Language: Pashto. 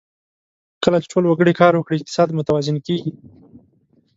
کله چې ټول وګړي کار وکړي، اقتصاد متوازن کېږي.